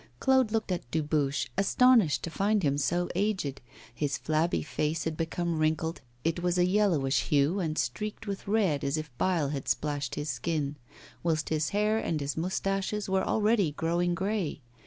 Claude looked at Dubuche, astonished to find him so aged; his flabby face had become wrinkled it was of a yellowish hue, and streaked with red, as if bile had splashed his skin; whilst his hair and his moustaches were already growing grey.